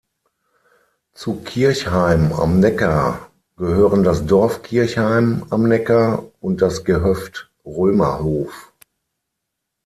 Zu Kirchheim am Neckar gehören das Dorf Kirchheim am Neckar und das Gehöft Römerhof.